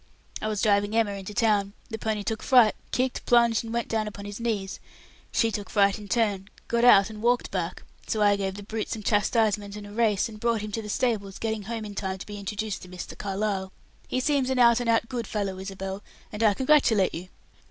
"I was driving Emma into town. The pony took fright, kicked, plunged and went down upon his knees; she took fright in turn, got out, and walked back. So I gave the brute some chastisement and a race, and brought him to the stables, getting home in time to be introduced to Mr. Carlyle. He seems an out and out good fellow, Isabel, and I congratulate you."